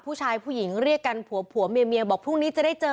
ผู้หญิงเรียกกันผัวผัวเมียบอกพรุ่งนี้จะได้เจอ